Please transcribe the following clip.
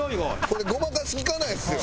これごまかし利かないですよ。